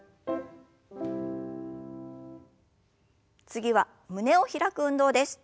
次は胸を開く運動です。